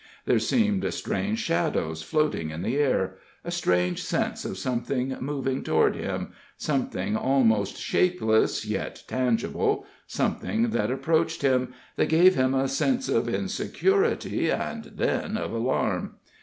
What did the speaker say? There seemed strange shadows floating in the air a strange sense of something moving toward him something almost shapeless, yet tangible something that approached him that gave him a sense of insecurity and then of alarm.